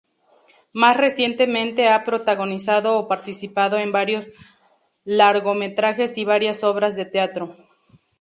Más recientemente ha protagonizado o participado en varios largometrajes y varias obras de teatro.